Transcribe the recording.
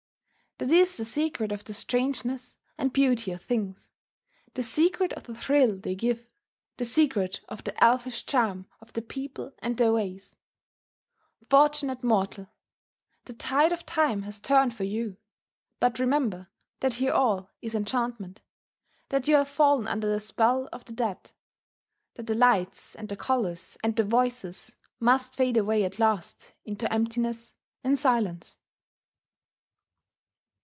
That is the secret of the strangeness and beauty of things, the secret of the thrill they give, the secret of the elfish charm of the people and their ways. Fortunate mortal! the tide of Time has turned for you! But remember that here all is enchantment, that you have fallen under the spell of the dead, that the lights and the colours and the voices must fade away at last into emptiness and silence.